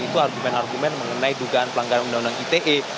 itu argumen argumen mengenai dugaan pelanggaran undang undang ite